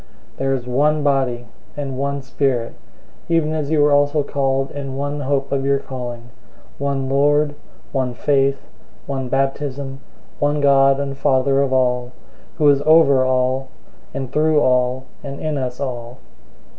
004:004 There is one body, and one Spirit, even as you also were called in one hope of your calling; 004:005 one Lord, one faith, one baptism, 004:006 one God and Father of all, who is over all, and through all, and in us all.